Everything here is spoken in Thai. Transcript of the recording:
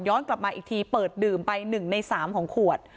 กลับมาอีกทีเปิดดื่มไป๑ใน๓ของขวด